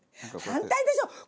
反対でしょ！